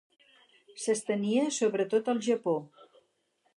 S'estenia sobre tot el Japó.